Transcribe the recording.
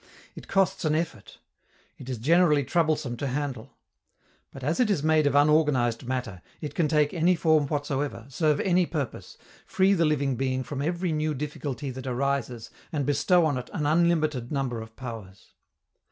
It costs an effort. It is generally troublesome to handle. But, as it is made of unorganized matter, it can take any form whatsoever, serve any purpose, free the living being from every new difficulty that arises and bestow on it an unlimited number of powers.